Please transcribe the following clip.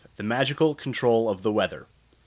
The Magical Control of the Weather 1.